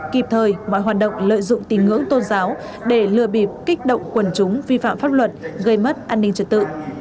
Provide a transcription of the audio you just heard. kịp thời mọi hoạt động lợi dụng tín ngưỡng tôn giáo để lừa bịp kích động quần chúng vi phạm pháp luật gây mất an ninh trật tự